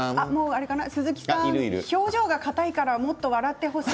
表情が硬いからもっと笑ってほしい。